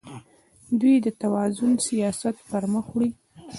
دوی د توازن سیاست پرمخ وړي.